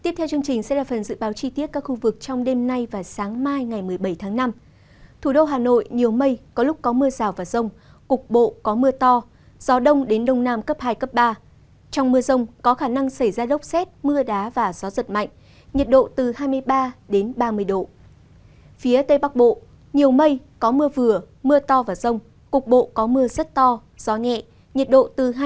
phía tây bắc bộ nhiều mây có mưa vừa mưa to và rông cục bộ có mưa rất to gió nhẹ nhiệt độ từ hai mươi hai đến ba mươi độ